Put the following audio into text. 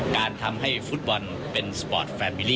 การทำให้ฟุตบอลเป็นสปอร์ตแฟมิลี